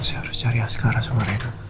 saya harus cari askara sama renan